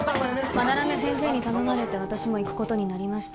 斑目先生に頼まれて私も行くことになりました